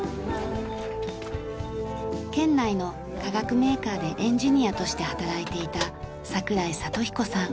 県内の化学メーカーでエンジニアとして働いていた櫻井里彦さん。